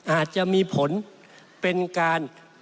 อาจจะมีผลเป็นการ